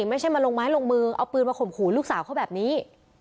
ไม่ใช่มาลงไม้ลงมือเอาปืนมาข่มขู่ลูกสาวเขาแบบนี้